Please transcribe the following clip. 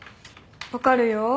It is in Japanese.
分かるよ。